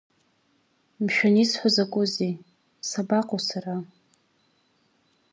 Мшәан исҳәо закәызеи, сабаҟоу сара?